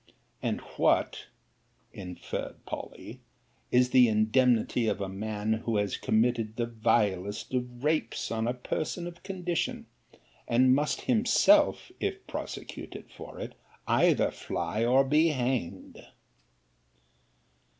And what, inferred Polly, is the indemnity of a man who has committed the vilest of rapes on a person of condition; and must himself, if prosecuted for it, either fly, or be hanged?